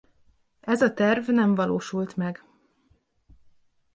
Ez a terv nem valósult meg.